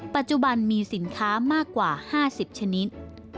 ปัจจุบันมีสินค้ามากกว่า๕๐ชนิด